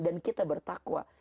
dan kita bertakwa